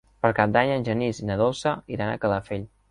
Per Cap d'Any en Genís i na Dolça iran a Calafell.